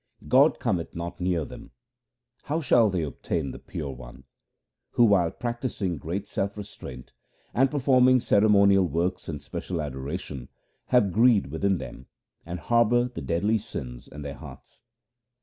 God cometh not near them ; How shall they obtain the Pure One, Who while practising great self restraint And performing ceremonial works and special adoration, Have greed within them, and harbour the deadly sins in their hearts